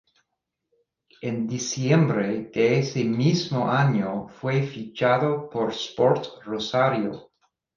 En diciembre de ese mismo año fue fichado por Sport Rosario.